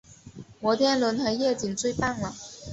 摩天轮和夜景最棒了